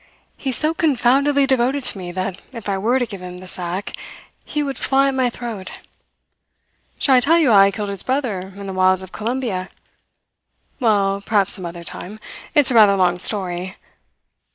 He's so confoundedly devoted to me that if I were to give him the sack he would fly at my throat. Shall I tell you how I killed his brother in the wilds of Colombia? Well, perhaps some other time it's a rather long story.